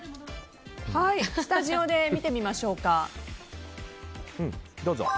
スタジオで見てみましょうか。